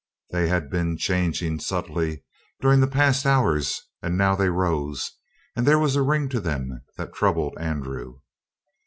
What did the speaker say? They had been changing subtly during the past hours and now they rose, and there was a ring to them that troubled Andrew.